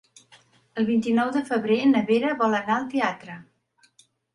El vint-i-nou de febrer na Vera vol anar al teatre.